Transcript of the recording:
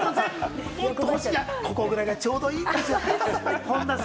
ここぐらいがちょうどいいんですよ。